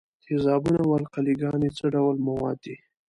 تیزابونه او القلې ګانې څه ډول مواد دي؟